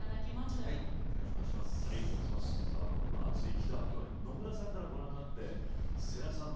さあこのアツいギター共演野村さんからご覧になって世良さん